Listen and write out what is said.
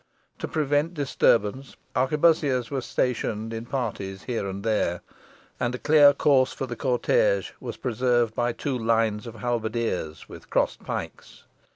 To prevent disturbance, arquebussiers were stationed in parties here and there, and a clear course for the cortège was preserved by two lines of halberdiers with crossed pikes.